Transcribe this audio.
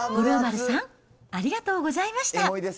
五郎丸さん、ありがとうございました。